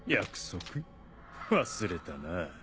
忘れたなぁ。